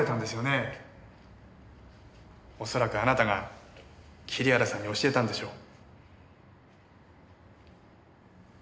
恐らくあなたが桐原さんに教えたんでしょう。